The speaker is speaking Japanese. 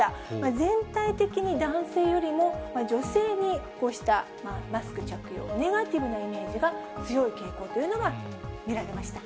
全体的に男性よりも女性に、こうしたマスク着用、ネガティブなイメージが強い傾向というのが見られました。